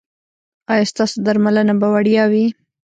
ایا ستاسو درملنه به وړیا وي؟